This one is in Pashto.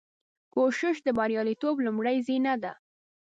کوشش د بریالیتوب لومړۍ زینه ده.